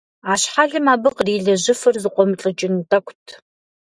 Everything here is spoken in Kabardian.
А щхьэлым абы кърилэжьыфыр зыкъуэмылӀыкӀын тӀэкӀут.